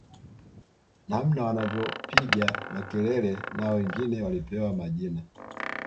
Namna wanavyopiga makelele na wengine walipewa majina